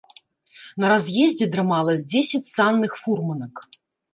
На раз'ездзе драмала з дзесяць санных фурманак.